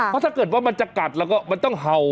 เพราะถ้าเกิดว่ามันจะกัดแล้วก็มันต้องเห่า